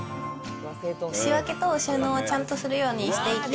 仕分けと収納をちゃんとするようにしていて。